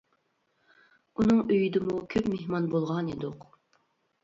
ئۇنىڭ ئۆيىدىمۇ كۆپ مېھمان بولغانىدۇق.